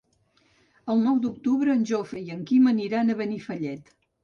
El nou d'octubre en Jofre i en Quim aniran a Benifallet.